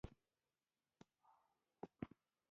د افغانستان فوتبال ټیم ښه دی